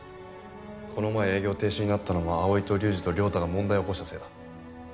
この前営業停止になったのも葵と龍二と亮太が問題を起こしたせいだ。